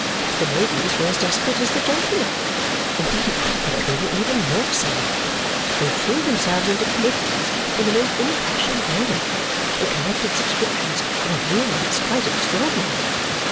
The ladies were as desperate as the gentlemen; indeed, I think they were even more so. They threw themselves into committees in the most impassioned manner and collected subscriptions with a vehemence quite extraordinary.